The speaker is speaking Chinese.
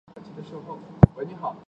该湖的沉积物主要为盐和碱。